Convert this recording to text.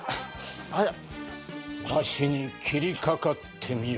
わしに斬りかかってみよ。